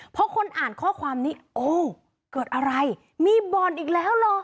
พอคนอ่านข้อความนี้โอ้เกิดอะไรมีบ่อนอีกแล้วเหรอ